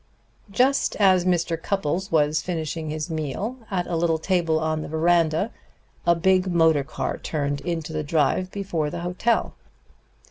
Just as Mr. Cupples was finishing his meal at a little table on the veranda, a big motor car turned into the drive before the hotel.